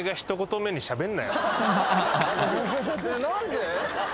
何で？